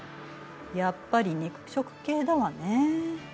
やっぱり肉食系だわねえ。